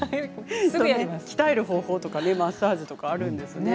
鍛える方法とかマッサージとかあるんですね